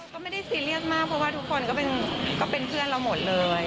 ก็ไม่ได้ซีเรียสมากเพราะว่าทุกคนก็เป็นเพื่อนเราหมดเลย